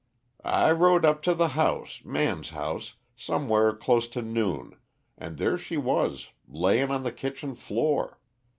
"I rode up to the house Man's house somewhere close to noon, an' there she was, layin' on the kitchen floor.